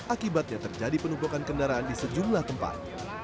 akibatnya terjadi penumpukan kendaraan di sejumlah tempat